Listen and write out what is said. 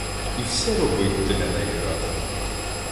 І все робить для неї рад.